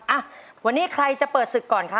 อ่ะวันนี้ใครจะเปิดศึกก่อนครับ